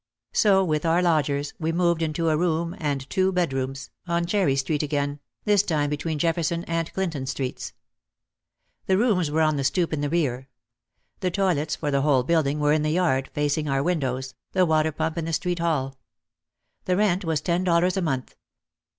So, with our lodgers, we moved into a "room and two bedrooms," on Cherry Street again, this time between Jefferson and Clinton Streets. The rooms were on the stoop in the rear. The toilets, for the whole building, were in the yard, facing our windows, the water pump in the street hall. The rent was ten dollars a month.